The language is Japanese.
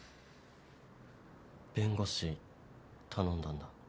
弁護士頼んだんだ。